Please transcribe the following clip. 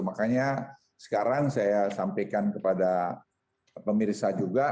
makanya sekarang saya sampaikan kepada pemirsa juga